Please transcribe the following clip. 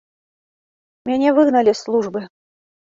Мяне выгналі з службы.